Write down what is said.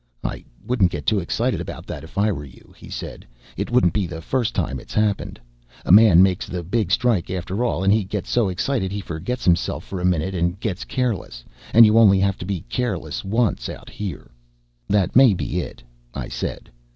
"I wouldn't get too excited about that, if I were you," he said. "It wouldn't be the first time it's happened. A man makes the big strike after all, and he gets so excited he forgets himself for a minute and gets careless. And you only have to be careless once out here." "That may be it," I said.